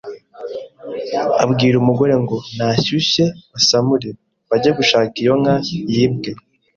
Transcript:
abwira umugore ngo nashyushye basamure, bajye gushaka iyo nka yibwe